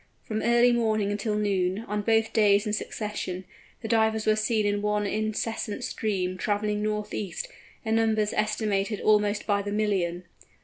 From early morning until noon, on both days in succession, the Divers were seen in one incessant stream, travelling north east, in numbers estimated almost by the million!